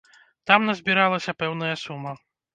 Там назбіралася пэўная сума.